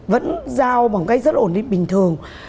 vẫn giao bằng cách rất ổn định bình thường